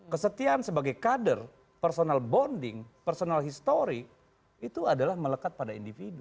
kesetiaan sebagai kader personal bonding personal history itu adalah melekat pada individu